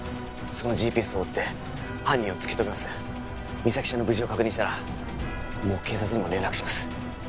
そのＧＰＳを追って犯人を突き止めます実咲ちゃんの無事を確認したらもう警察にも連絡します